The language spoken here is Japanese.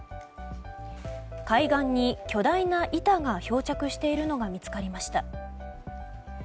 海岸に巨大な板が漂着しているのが見つかりました。